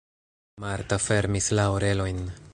Marta fermis la orelojn.